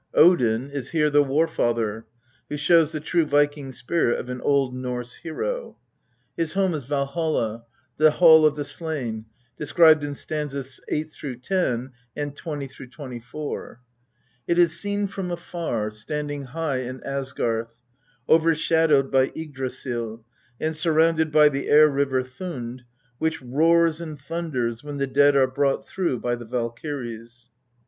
Odin is here the War father, who shows the true Viking spirit of an old Norse hero. His home is Valholl, the Hall of the Slain, described in sts. 8 10, 20 24. ^' s seen from afar, standing high in Asgarth, overshadowed by Yggdrasil, and surrounded by the air river Thund, which roars and thunders when the dead are brought through by the Valkyries.